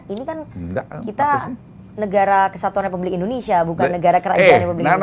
ini kan kita negara kesatuan republik indonesia bukan negara kerajaan republik indonesia